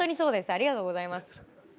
ありがとうございます。